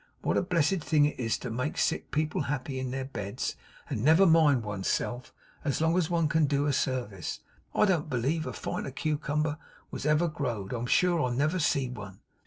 What a blessed thing it is to make sick people happy in their beds, and never mind one's self as long as one can do a service! I don't believe a finer cowcumber was ever grow'd. I'm sure I never see one!